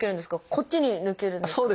こっちに抜けるんですか？